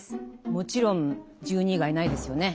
もちろん１２以外ないですよね。